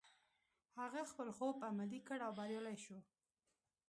هغه خپل خوب عملي کړ او بريالی شو.